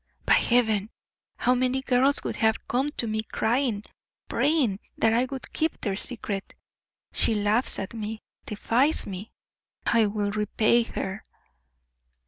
By Heaven! how many girls would have come to me crying, praying that I would keep their secret; she laughs at me, defies me. I will repay her!"